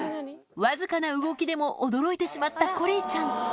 わずかな動きでも驚いてしまったコリーちゃん